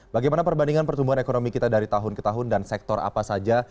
bagaimana perbandingan pertumbuhan ekonomi kita dari tahun ke tahun dan sektor apa saja